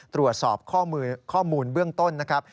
ตรวจสอบข้อมูลเบื้องต้นนะครับ